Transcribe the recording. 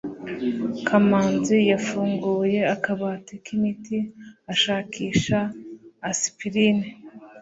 kamanzi yafunguye akabati k'imiti, ashakisha aspirine